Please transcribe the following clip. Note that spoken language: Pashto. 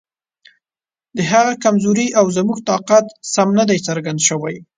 د هغه کمزوري او زموږ طاقت سم نه دی څرګند شوی.